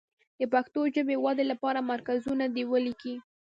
د پښتو ژبې ودې لپاره مرکزونه دې ولیکي.